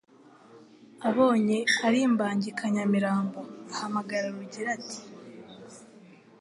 Abonye ari imbangikanyamirambo ahamagara RugiraAti